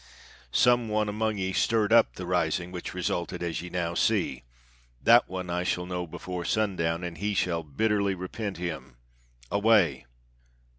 Some one among ye stirred up the rising which resulted as ye now see. That one I shall know before sundown, and he shall bitterly repent him. Away!"